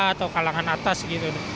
atau kalangan atas gitu